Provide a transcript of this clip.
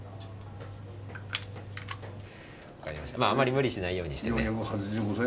あんまり無理しないようにしてね。